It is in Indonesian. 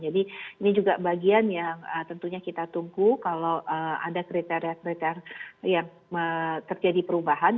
jadi ini juga bagian yang tentunya kita tunggu kalau ada kriteria kriteria yang terjadi perubahan